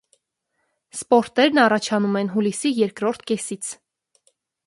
Սպորներն առաջանում են հուլիսի երկրորդ կեսից։